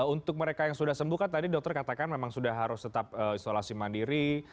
untuk mereka yang sudah sembuh kan tadi dokter katakan memang sudah harus tetap isolasi mandiri